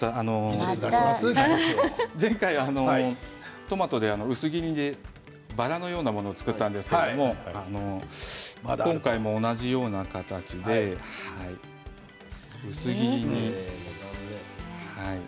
前回、トマトで薄切りでバラのようなものを作ったんですけれども今回も同じような形で薄切りに。